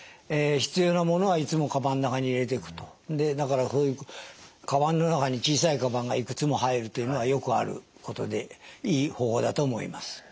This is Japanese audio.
必要なものはいつもかばんの中に入れてくとでだからそういうかばんの中に小さいかばんがいくつも入るというのはよくあることでいい方法だと思います。